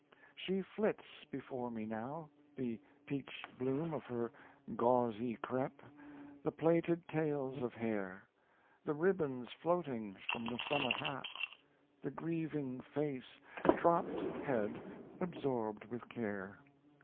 She flits before me now: The peach bloom of her gauzy crepe, The plaited tails of hair, The ribbons floating from the summer hat, The grieving face, dropp'd head absorbed with care.